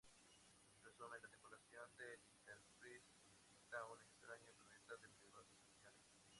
Resumen: La tripulación del "Enterprise" visita un extraño planeta de peligrosas ilusiones.